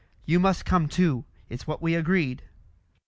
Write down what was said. You must come too. It's what we agreed."